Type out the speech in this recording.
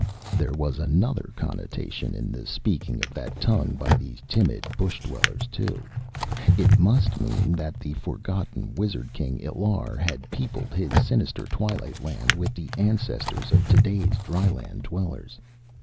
There was another connotation in the speaking of that tongue by these timid bush dwellers, too. It must mean that the forgotten wizard king, Illar, had peopled his sinister, twilight land with the ancestors of today's dryland dwellers.